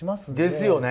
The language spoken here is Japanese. ですよね。